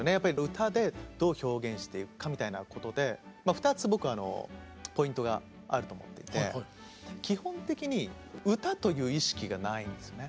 歌でどう表現していくかみたいなことでまあ２つ僕あのポイントがあると思っていて基本的に歌という意識がないんですよね。